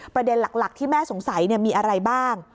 ประเด็นหลักที่แม่สงสัยมีอะไรบ้าง